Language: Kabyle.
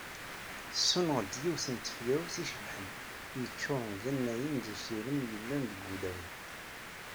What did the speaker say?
Sunɣen-d yiwet n tfelwit icebḥen, yeččuren d anayen d usirem yellan deg wulawen.